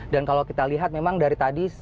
dan kalau kita lihat memang dari tadi